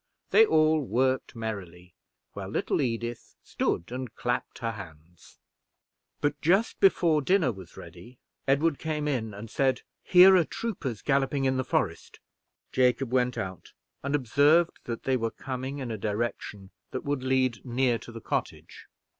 They all worked merrily, while little Edith stood and clapped her hands. But just before dinner was ready, Edward came in and said, "Here are troopers galloping in the forest!" Jacob went out, and observed that they were coming in a direction that would lead near to the cottage.